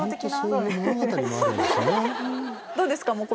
どうですか？